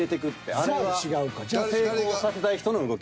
あれは成功させたい人の動き。